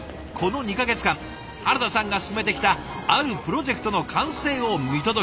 この２か月間原田さんが進めてきたあるプロジェクトの完成を見届けに。